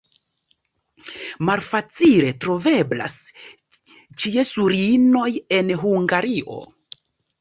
Malfacile troveblas ĉiesulinoj en Hungario.